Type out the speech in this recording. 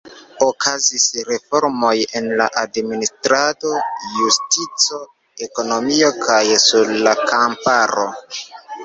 Okazis reformoj en administrado, justico, ekonomio kaj sur la kamparo.